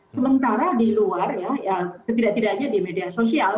sementara di luar ya setidak tidaknya di media sosial